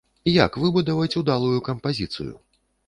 Як выбудаваць удалую кампазіцыю?